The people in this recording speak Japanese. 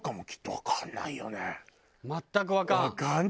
全くわからん。